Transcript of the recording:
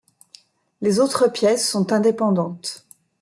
Les autres pièces sont indépendantes.